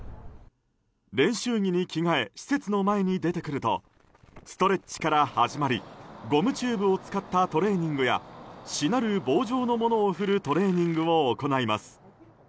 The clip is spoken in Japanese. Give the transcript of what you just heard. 練習着に着替え施設の前に出てくるとストレッチから始まりゴムチューブを使ったトレーニングやしなる棒状のものを振るトレーニングを行います。